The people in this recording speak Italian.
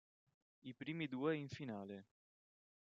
I primi due in finale.